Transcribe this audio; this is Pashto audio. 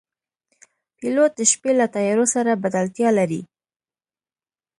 پیلوټ د شپې له تیارو سره بلدتیا لري.